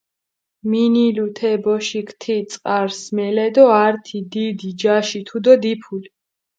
მინილუ თე ბოშიქ თი წყარს მელე დო ართი დიდი ჯაში თუდო დიფულჷ.